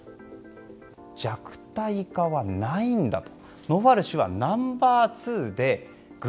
弱体化はないんだと。